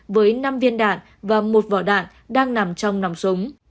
với năm viên đạn và một vỏ đạn đang nằm trong nòng súng